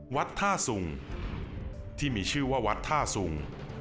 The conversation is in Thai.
วัดท่าสุงที่มีชื่อว่าวัดท่าสุง